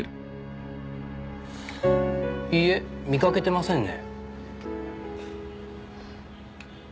いいえ見かけてませんね。